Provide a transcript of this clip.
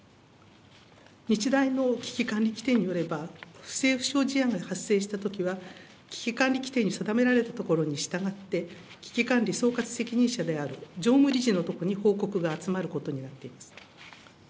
日大の危機管理規定によれば、不正不祥事案が発生したときは、危機管理規定に定められたところにしたがって、危機管理総括責任者である常務理事のところに報告が集まることになっています。